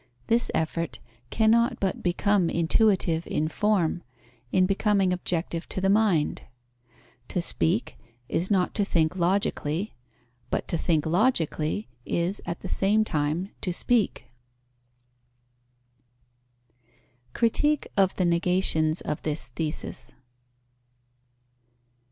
This effort cannot but become intuitive in form, in becoming objective to the mind. To speak, is not to think logically; but to think logically is, at the same time, to speak. _Critique of the negations of this thesis.